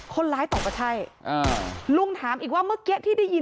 คนร้ายตกกับชัยอ่าลุงถามอีกว่าเมื่อกี้ที่ได้ยิน